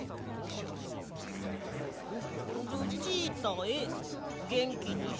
「ルチータへげんきにしてる？